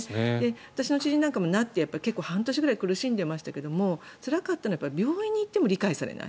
私も知人なんかもなって、半年くらい苦しんでましたけどつらいのは病院に行っても理解されない。